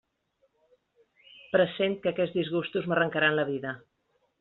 Pressent que aquests disgustos m'arrancaran la vida.